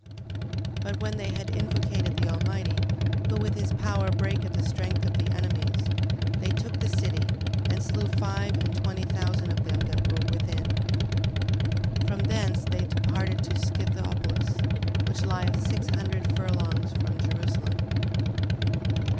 12:28. But when they had invocated the Almighty, who with his power breaketh the strength of the enemies, they took the city: and slew five and twenty thousand of them that were within. 12:29. From thence they departed to Scythopolis, which lieth six hundred furlongs from Jerusalem.